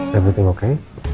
saya berdoa oke